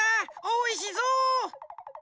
おいしそう。